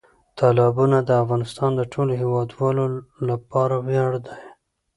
تالابونه د افغانستان د ټولو هیوادوالو لپاره ویاړ دی.